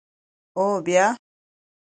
_اوبيا؟